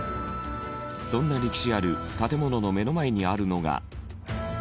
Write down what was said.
そんな歴史ある建物の目の前にあるのが。